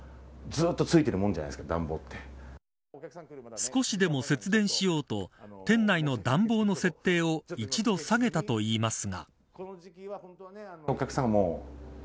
少しでも節電しようと店内の暖房の設定を１度下げたといいますが。